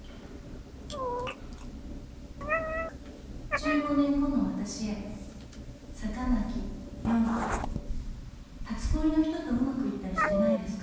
「１５年後の私へ坂巻洋子」「初恋の人とうまくいったりしてないですか」